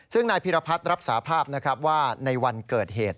ซึ่งนายพิรพัฒน์รับสาภาพนะครับว่าในวันเกิดเหตุ